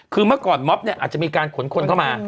คือเมื่อก่อนม็อบเนี่ยอาจจะมีการขนคนเข้ามา